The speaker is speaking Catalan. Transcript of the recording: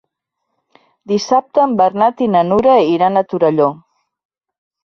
Dissabte en Bernat i na Nura iran a Torelló.